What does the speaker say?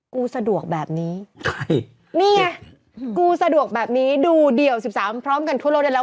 กูสะดวกแบบนี้นี่ไงกูสะดวกแบบนี้ดูเดี่ยว๑๓พร้อมกันทั่วโลกได้แล้ว